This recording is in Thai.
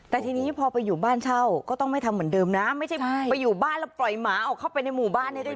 แต่ทีนี้พอไปอยู่บ้านเช่าก็ต้องไม่ทำเหมือนเดิมนะไม่ใช่ไปอยู่บ้านแล้วปล่อยหมาออกเข้าไปในหมู่บ้าน